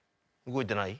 動いてない？